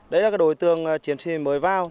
đấy là đối tượng chiến sĩ mới vào